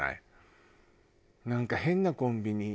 なんか変なコンビニ。